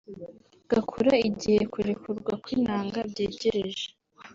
gakura igihe kurekurwa kw’intanga byegereje